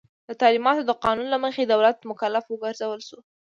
د تعلیماتو د قانون له مخي دولت مکلف وګرځول سو.